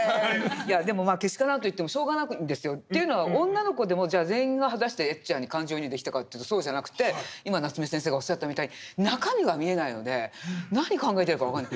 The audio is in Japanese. いやでもけしからんと言ってもしょうがないんですよ。というのは女の子でもじゃあ全員が果たしてエッちゃんに感情移入できたかというとそうじゃなくて今夏目先生がおっしゃったみたいに中身が見えないので何考えてるか分かんない。